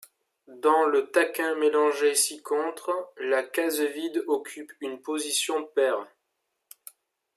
Dans le taquin mélangé ci-contre, la case vide occupe une position paire.